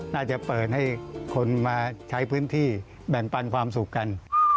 น่าจะเปิดให้คนมาใช้พื้นที่แบ่งปันความสุขกัน